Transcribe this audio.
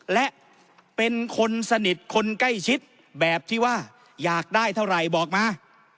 และเป็นคนสนิทคนใกล้ชิดแบบที่ว่าอยากได้เท่าไหร่บอกมา